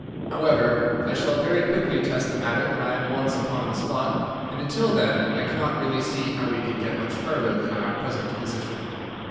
However, I shall very quickly test the matter when I am once upon the spot, and until then I cannot really see how we can get much further than our present position."